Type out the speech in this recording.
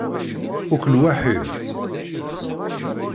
Akk lwaḥid!